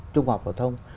trung học phổ tông